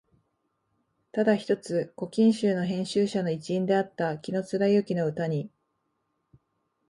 ただ一つ「古今集」の編集者の一員であった紀貫之の歌に、